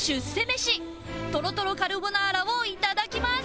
メシトロトロカルボナーラをいただきます